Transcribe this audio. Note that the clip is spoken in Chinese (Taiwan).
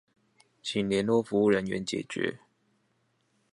請聯絡客服人員解決